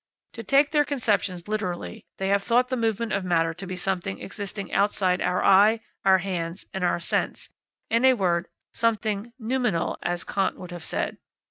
To take their conceptions literally, they have thought the movement of matter to be something existing outside our eye, our hands, and our sense; in a word, something noumenal, as Kant would have said.